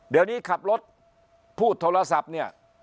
เดี๋ยวนี้ขับรถพูดโทรศัพท์เนี่ย